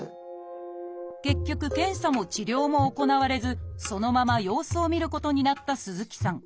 結局検査も治療も行われずそのまま様子を見ることになった鈴木さん。